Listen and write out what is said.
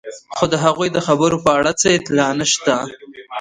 خو د هغوی د خبرو په اړه څه اطلاع نشته.